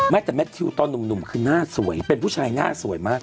แต่แมททิวตอนหนุ่มคือหน้าสวยเป็นผู้ชายหน้าสวยมาก